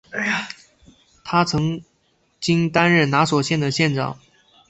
他曾经担任拿索县的县长。